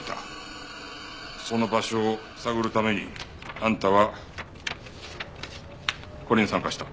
その場所を探るためにあんたはこれに参加した。